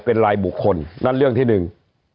เป็นลายบุคคลนั่นเรื่องที่หนึ่ง